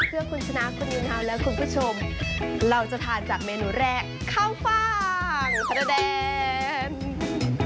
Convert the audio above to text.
เพื่อคุณชนะคุณนิวนาวและคุณผู้ชมเราจะทานจากเมนูแรกข้าวฟ่างประแดง